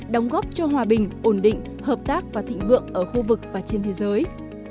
đóng góp cho hòa bình ổn định hợp tác và thịnh vượng ở khu vực và trên thế giới